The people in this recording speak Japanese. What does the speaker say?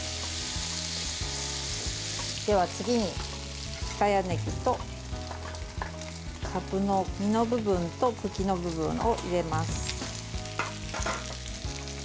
では、次に深谷ねぎとかぶの実の部分と茎の部分を入れます。